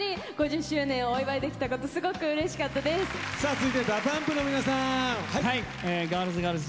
続いてＤＡＰＵＭＰの皆さん。